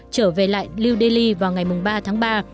trở về lại new delhi vào ngày ba tháng ba